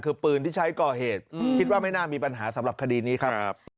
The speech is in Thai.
คือปืนที่ใช้ก่อเหตุคิดว่าไม่น่ามีปัญหาสำหรับคดีนี้ครับ